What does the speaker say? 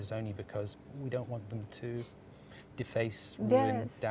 hanya karena kita tidak ingin mereka